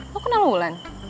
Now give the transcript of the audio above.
lo kenal wulan